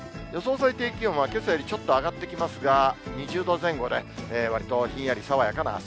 最低気温はけさよりちょっと上がってきますが、２０度前後で、わりとひんやり爽やかな朝。